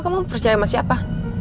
kamu percaya sama siapa